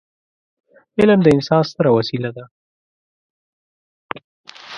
علم د انسان ستره وسيله ده.